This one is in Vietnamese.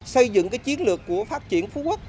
xây dựng chiến lược của phát triển phú quốc